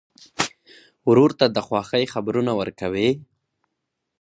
ورور ته د خوښۍ خبرونه ورکوې.